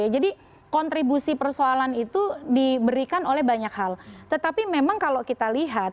jadi kontribusi persoalan itu diberikan oleh banyak hal tetapi memang kalau kita lihat